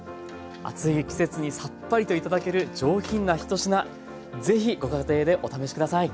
暑い季節にサッパリと頂ける上品なひと品是非ご家庭でお試し下さい。